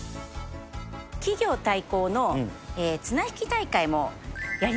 企業対抗の綱引き大会もやり